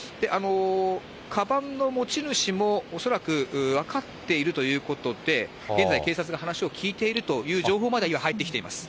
かばんの持ち主も、恐らく分かっているということで、現在、警察が話を聴いているという情報まで今、入ってきています。